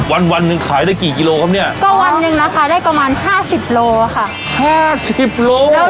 วันวันหนึ่งขายได้กี่กิโลครับเนี่ยก็วันหนึ่งนะคะได้ประมาณห้าสิบโลค่ะห้าสิบโล